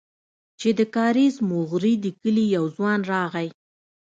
چې د کاريز موغري د کلي يو ځوان راغى.